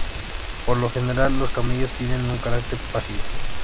Por lo general, los camellos tienen un carácter pasivo.